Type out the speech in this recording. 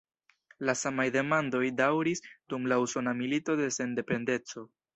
La samaj demandoj daŭris dum la Usona Milito de Sendependeco.